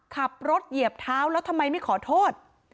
ขับรถเหยียบเท้าแล้วทำไมไม่ขอโทษ